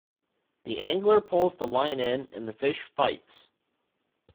The angler pulls the line in and the fish fights.